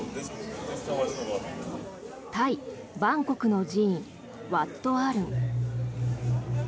タイ・バンコクの寺院ワット・アルン。